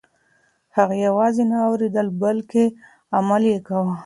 هغې یوازې نه اورېدل بلکه عمل یې کاوه.